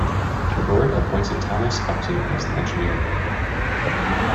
The Board appointed Thomas Upton as the engineer.